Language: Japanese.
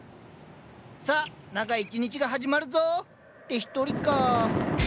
さあ長い１日が始まるぞ！って１人かあ。